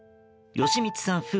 美光さん